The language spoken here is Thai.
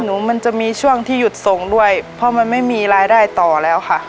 มันจะมีช่วงที่หยุดส่งด้วยเพราะมันไม่มีรายได้ต่อแล้วค่ะ